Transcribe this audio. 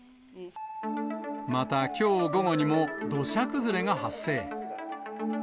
またきょう午後にも、土砂崩れが発生。